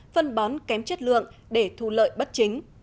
phân bón kém chất lượng để thu lợi bất chính